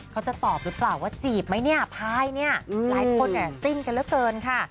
เขาจะตอบหรือเปล่าว่าจีบไหมเนี่ยพายเนี่ยหลายคนเนี่ยจิ้นกันเหลือเกินค่ะ